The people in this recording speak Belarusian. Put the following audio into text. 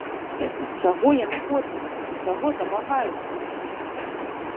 Чаго яны хочуць, чаго дамагаюцца?